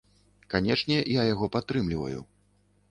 Канечне, я яго падтрымліваю.